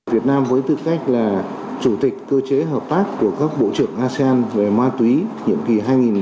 việt nam với tư cách là chủ tịch cơ chế hợp tác của các bộ trưởng asean về ma túy nhiệm kỳ hai nghìn hai mươi hai nghìn hai mươi